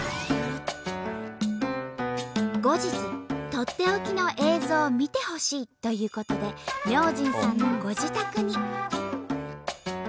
後日とっておきの映像を見てほしいということで明神さんのご自宅に。